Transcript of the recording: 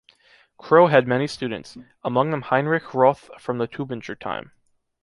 Kroh had many students, among them Heinrich Roth from the Tübinger time.